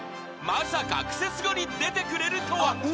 ［まさか『クセスゴ』に出てくれるとは］